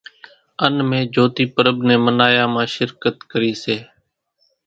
ان مين جھوتي پرٻ نين منايا مان شرڪت ڪري سي